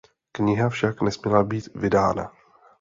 Kniha však nesměla být vydána.